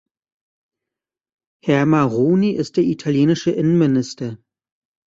Herr Maroni ist der italienische Innenminister.